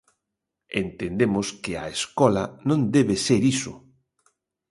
Entendemos que a escola non debe ser iso.